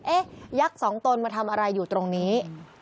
ยักษ์สองตนมาทำอะไรอยู่ตรงนี้